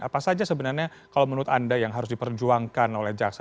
apa saja sebenarnya kalau menurut anda yang harus diperjuangkan oleh jaksa